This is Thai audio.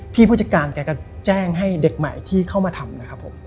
พี่ผู้จัดการแอบแจ้งให้เด็กใหม่ที่เข้ามาทำ